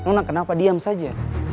nona kenapa diam saja